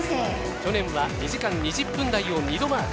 去年は２時間２０分台を二度マーク。